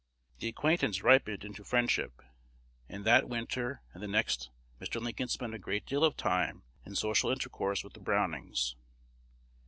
The acquaintance ripened into friendship, and that winter and the next Mr. Lincoln spent a great deal of time in social intercourse with the Brownings.